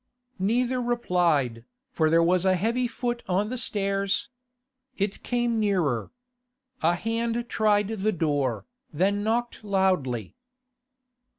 Neither replied, for there was a heavy foot on the stairs. It came nearer. A hand tried the door, then knocked loudly.